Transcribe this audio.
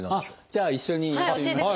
じゃあ一緒にやってみましょうか。